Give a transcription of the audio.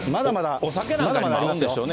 お酒なんかに合うんでしょうね。